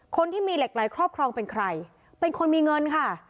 คนที่มีเหล็กไหลครอบครองเป็นใครเป็นคนมีเงินค่ะ